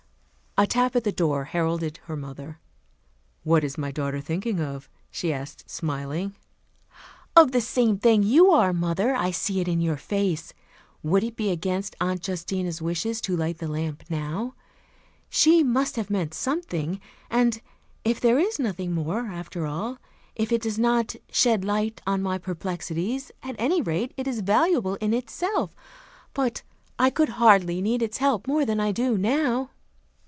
A tap at the door heralded her mother. "What is my daughter thinking of?" she asked, smiling. "Of the same thing you are, mother. I see it in your face. Would it be against Aunt Justina's wishes, to light the lamp now? She must have meant something. And if there is nothing more, after all if it does not 'shed light on my perplexities,' at any rate, it is valuable in itself. But I could hardly need its help more than I do now."